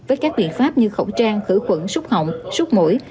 với các biện pháp như khẩu trang khử khuẩn xúc hỏng sốt mũi